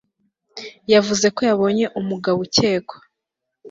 Yavuze ko yabonye umugabo ukekwa